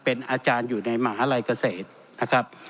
เป็นอาจารย์อยู่ในมหาลัยเกษตรนะครับ